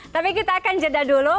tapi kita akan jeda dulu